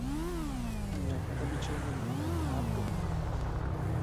Měl neobyčejně dlouhé drápy.